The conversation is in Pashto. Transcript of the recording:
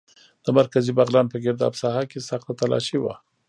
د مرکزي بغلان په ګرداب ساحه کې سخته تالاشي وه.